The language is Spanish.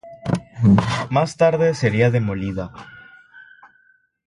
Más tarde sería demolida.